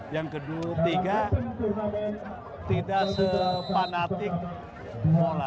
yang ketiga tidak sepanatik mola